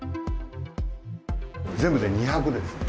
全部で２００ですね。